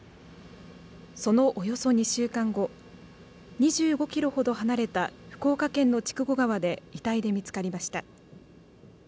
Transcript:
そのおよそ２週間後２５キロほど離れた福岡県の筑後川で遺体で見つかりました。